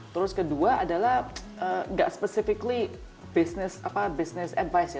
terus kedua adalah nggak specifically business advice